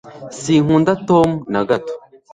sinkunda tom naa gato